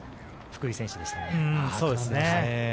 福井選手でしたね。